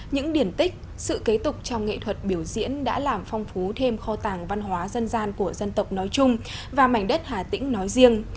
những điển tích sự kế tục trong nghệ thuật biểu diễn đã làm phong phú thêm kho tàng văn hóa dân gian của dân tộc nói chung và mảnh đất hà tĩnh nói riêng